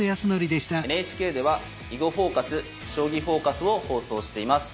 ＮＨＫでは「囲碁フォーカス」「将棋フォーカス」を放送しています。